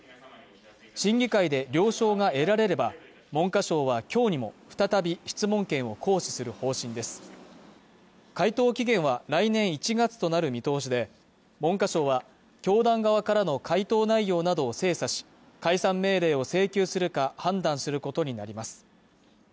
審議会で了承が得られれば文科省はきょうにも再び質問権を行使する方針です回答期限は来年１月となる見通しで文科省は教団側からの回答内容などを精査し解散命令を請求するか判断することになります